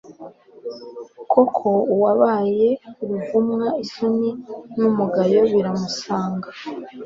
koko, uwabaye ruvumwa, isoni n'umugayo biramusanga